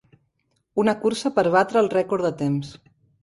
Una cursa per batre el rècord de temps